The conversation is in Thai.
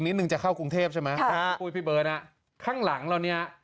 นิดนึงจะเข้ากรุงเทพใช่ไหมคุยพี่เบิร์นอ่ะข้างหลังแล้วเนี้ย